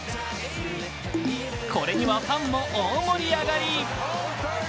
これにはファンも大盛り上がり。